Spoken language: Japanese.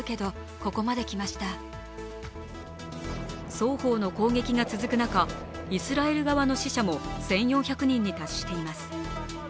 双方の攻撃が続く中、イスラエル側の死者も１４００人に達しています。